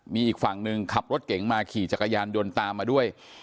มีอีกฝั่งหนึ่งขับรถเก๋งมาขี่จักรยานยนต์ตามมาด้วย